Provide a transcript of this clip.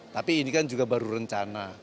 tapi ini kan juga baru rencana